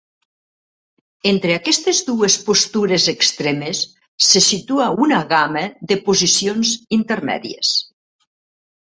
Entre aquestes dues postures extremes se situa una gamma de posicions intermèdies.